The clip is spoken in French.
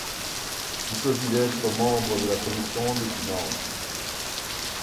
Il choisit d’être membre de la commission des Finances.